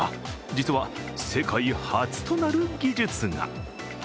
実は世界初となる技術が。